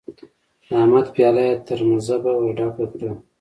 د احمد پياله يې تر مذبه ور ډکه کړه.